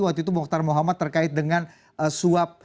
waktu itu mokhtar muhammad terkait dengan swab